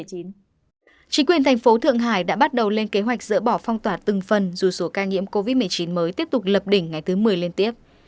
chính quyền thành phố thượng hải đã bắt đầu lên kế hoạch dỡ bỏ phong tỏa từng phần dù số ca nhiễm covid một mươi chín mới tiếp tục lập đỉnh ngày thứ một mươi liên tiếp